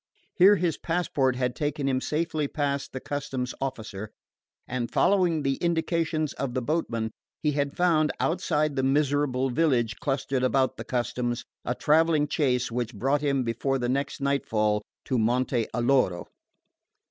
Here his passport had taken him safely past the customs officer, and following the indications of the boatman, he had found, outside the miserable village clustered about the customs, a travelling chaise which brought him before the next night fall to Monte Alloro.